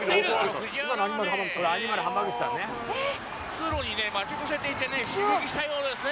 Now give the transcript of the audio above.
通路にね待ち伏せていてね襲撃したようですね。